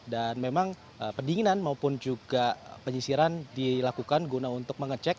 dan memang pendinginan maupun juga penyisiran dilakukan guna untuk mengecek